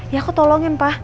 ya aku tolongin pak